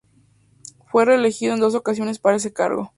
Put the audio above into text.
Fue reelegido en dos ocasiones para ese cargo.